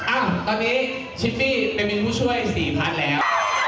อ่ะตอนนี้ชิปปี้ไปมีผู้ช่วย๔พักแล้ว